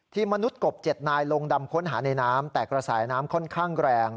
มนุษย์กบ๗นายลงดำค้นหาในน้ำแต่กระแสน้ำค่อนข้างแรง